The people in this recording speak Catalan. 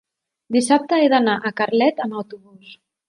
Dissabte he d'anar a Carlet amb autobús.